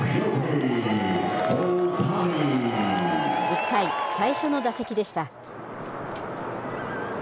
１回、最初の打席でした。